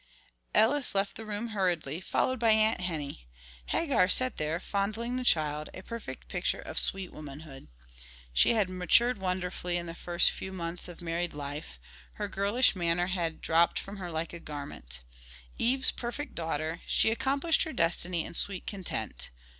Ellis left the room hurriedly, followed by Aunt Henny. Hagar sat there, fondling the child, a perfect picture of sweet womanhood. She had matured wonderfully in the few months of married life; her girlish manner had dropped from her like a garment. Eve's perfect daughter, she accomplished her destiny in sweet content.